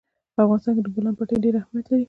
په افغانستان کې د بولان پټي ډېر اهمیت لري.